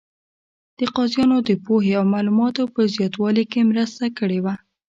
د قاضیانو د پوهې او معلوماتو په زیاتوالي کې مرسته کړې وه.